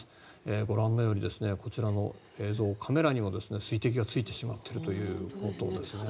ご覧のようにこちらの映像カメラにも水滴がついてしまっているということですね。